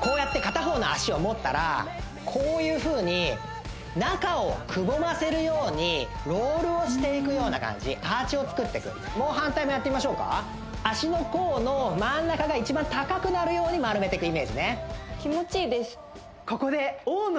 こうやって片方の足を持ったらこういうふうに中をくぼませるようにロールをしていくような感じアーチを作っていくもう反対もやってみましょうか足の甲の真ん中が一番高くなるように丸めていくイメージね